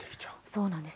そうなんです。